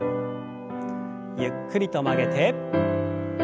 ゆっくりと曲げて。